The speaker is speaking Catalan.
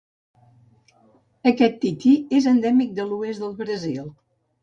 Aquest tití és endèmic de l'oest del Brasil.